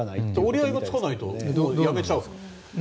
折り合いがつかないとやめちゃうの？